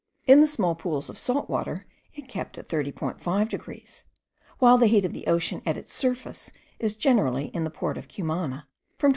In the small pools of salt water it kept at 30.5 degrees, while the heat of the ocean, at its surface, is generally, in the port of Cumana, from 25.